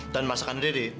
dan masakan riri